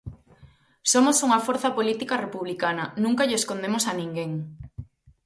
Somos unha forza política republicana, nunca llo escondemos a ninguén.